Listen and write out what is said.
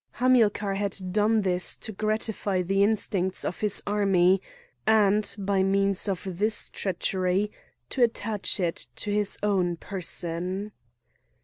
Hamilcar had done this to gratify the instincts of his army, and, by means of this treachery, to attach it to his own person.